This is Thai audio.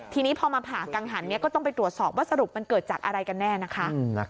ทีนี้พอมาผ่ากังหันก็ต้องไปตรวจสอบว่าสรุปมันเกิดจากอะไรกันแน่นะคะ